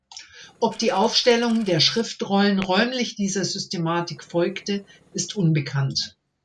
Ob die Aufstellung der Schriftrollen räumlich dieser Systematik folgte, ist unbekannt.